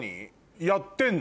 やってんの？